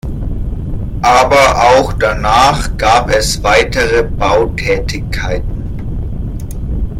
Aber auch danach gab es weitere Bautätigkeiten.